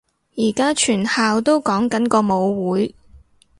而家全校都講緊個舞會